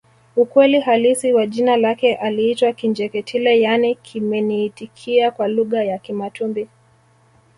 Ukweli halisi wa jina lake aliitwa Kinjeketile yaani kimeniitikia kwa lugha ya Kimatumbi